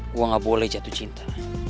gue gak boleh jatuh cinta